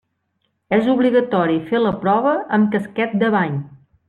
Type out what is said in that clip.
És obligatori fer la prova amb casquet de bany.